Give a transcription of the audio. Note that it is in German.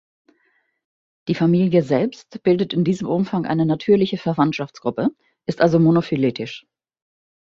Die Familie selbst bildet in diesem Umfang eine natürliche Verwandtschaftsgruppe, ist also monophyletisch.